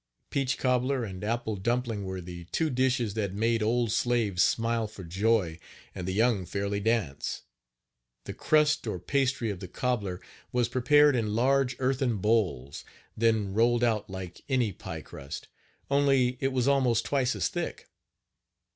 Peach cobbler and apple dumpling were the two dishes that made old slaves smile for joy and the young fairly dance. The crust or pastry of the cobbler was prepared in large earthen bowls, then rolled out like any pie crust, only it was almost twice as thick.